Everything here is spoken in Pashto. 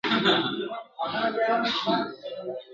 په لومړۍ ورځ چي په کار پسي روان سو ..